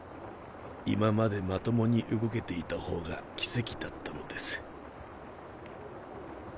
今までまともに動けていたほうが奇跡だったのです。